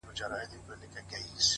قربان د ډار له کيفيته چي رسوا يې کړم ـ